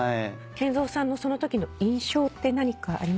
ＫＥＮＺＯさんのそのときの印象ってありますか？